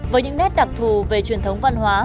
với những nét đặc thù về truyền thống văn hóa